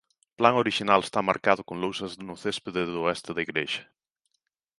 O plan orixinal está marcado con lousas no céspede do oeste da igrexa.